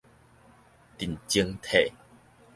陣前退